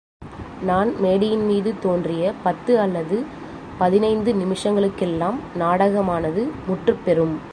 நான் மேடையின்மீது தோன்றிய பத்து அல்லது பதினைந்து நிமிஷங்களுக்கெல்லாம் நாடகமானது முற்றுப் பெறும்!